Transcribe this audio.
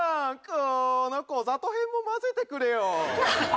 このこざとへんも混ぜてくれよ。